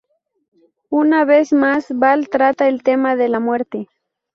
Una vez más, Ball trata el tema de la muerte.